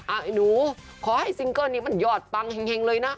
ไอ้หนูขอให้ซิงเกิ้ลนี้มันยอดปังแห่งเลยนะ